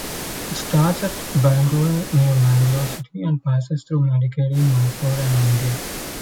It starts at Bantwal near Mangalore city and passes through Madikeri, Mysore and Mandya.